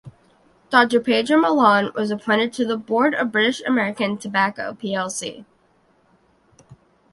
Doctor Pedro Malan was appointed to the Board of British American Tobacco p.l.c.